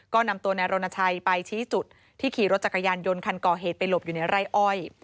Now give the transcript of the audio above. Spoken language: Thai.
ก็นำตัวนายรณชัยไปชี้จุดที่ขี่รถจักรยานยนต์คันก่อเหตุไปหลบอยู่ในไร่อ้อย